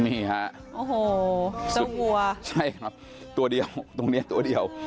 นี่ฮะโอ้โหเจ้าวัวใช่ครับตัวเดียวตรงนี้ตัวเดียว